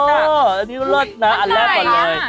อันนี้เลิศนะอันแรกก่อนเลย